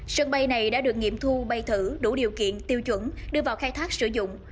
sân bay này đã được nghiệm thu bay thử đủ điều kiện tiêu chuẩn đưa vào khai thác sử dụng